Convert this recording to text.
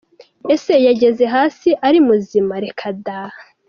Ese yageze hasi ari muzima? Reka da!.